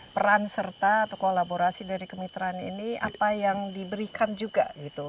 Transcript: peran serta atau kolaborasi dari kemitraan ini apa yang diberikan juga gitu